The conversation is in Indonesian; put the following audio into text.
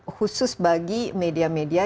khusus bagi media media